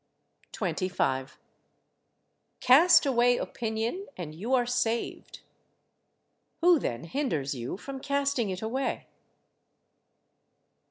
25. "Cast away opinion, and you are saved." Who then hinders you from casting it away?